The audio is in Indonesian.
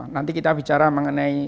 nanti kita bicara mengenai